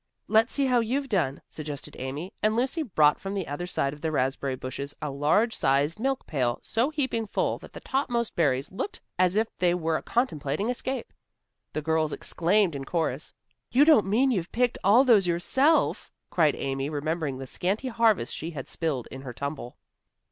"Let's see how you've done," suggested Amy, and Lucy brought from the other side of the raspberry bushes a large sized milk pail so heaping full that the topmost berries looked as if they were contemplating escape. The girls exclaimed in chorus. "You don't mean that you've picked those all yourself," cried Amy, remembering the scanty harvest she had spilled in her tumble.